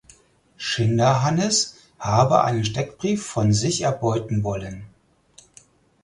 Schinderhannes habe einen Steckbrief von sich erbeuten wollen.